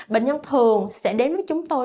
bệnh nhân thường sẽ đến với chúng tôi